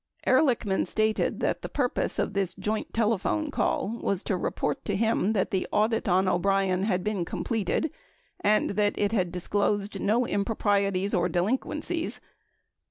27 Ehrlichman stated that the purpose of this joint telephone call was to report to him that the audit on O'Brien had been completed and that it had disclosed no improprieties or delinquencies.